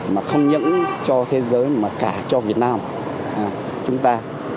mà không những cho thế giới mà cả cho việt nam chúng ta